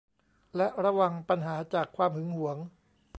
และระวังปัญหาจากความหึงหวง